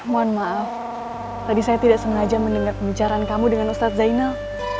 mohon maaf tadi saya tidak sengaja mendengar pembicaraan kamu dengan ustadz zainal